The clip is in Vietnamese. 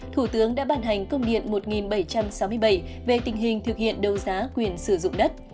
thủ tướng đã bàn hành công điện một nghìn bảy trăm sáu mươi bảy về tình hình thực hiện đấu giá quyền sử dụng đất